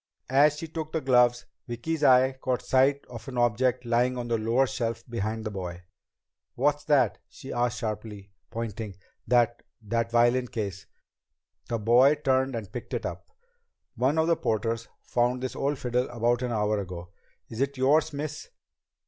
As she took the gloves, Vicki's eye caught sight of an object lying on the lower shelf behind the boy. "What's that?" she asked sharply, pointing. "That that violin case?" The boy turned and picked it up. "One of the porters found this old fiddle about an hour ago. Is it yours, miss?"